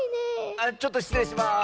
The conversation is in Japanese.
あっちょっとしつれいします。